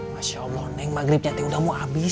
masya allah neng maghribnya deh udah mau habis